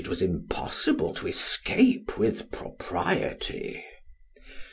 15 was impossible to escape with propriety.